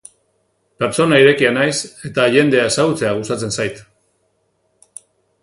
Pertsona irekia naiz eta jendea ezagutzea gustatzen zait.